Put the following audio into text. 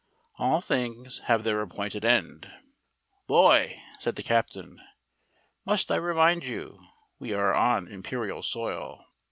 All things have their appointed end. "Boy!" said the captain. (Must I remind you, we were on imperial soil.)